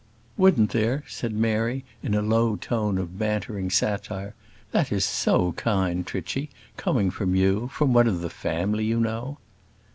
"Wouldn't there?" said Mary, in a low tone of bantering satire; "that is so kind, Trichy, coming from you from one of the family, you know."